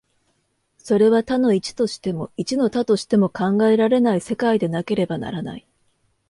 それは多の一としても、一の多としても考えられない世界でなければならない。